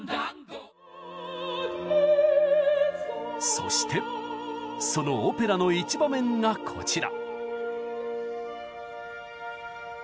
そしてそのオペラの一場面がこちら。